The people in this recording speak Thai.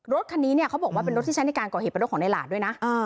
รถคันนี้เนี่ยเขาบอกว่าเป็นรถที่ใช้ในการก่อเหตุเป็นรถของในหลาดด้วยนะ